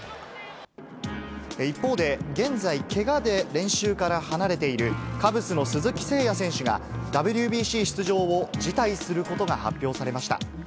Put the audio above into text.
一方で、現在けがで練習から離れている、カブスの鈴木誠也選手が、ＷＢＣ出場を辞退することが発表されました。